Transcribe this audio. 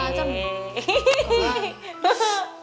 lo mau jadi pacar